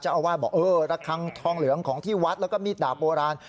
อาวาสบอกเออระคังทองเหลืองของที่วัดแล้วก็มีดดาบโบราณ